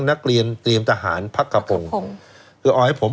นักเรียนเตรียมทหารพักกระพงศ์คือเอาให้ผม